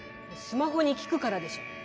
スマホに聞くからでしょ。